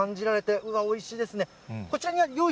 いやー、おいしいですね。